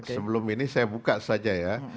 sebelum ini saya buka saja ya